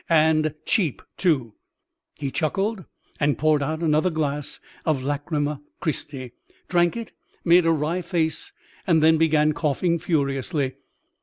and cheap too!" He chuckled, and poured out another glass of Lachryma Christi; drank it, made a wry face, and then began coughing furiously.